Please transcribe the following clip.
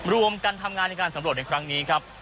รวมกันทำงานในการสำรวจในครั้งนี้ครับ